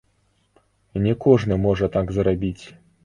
Не кожны можа так зрабіць.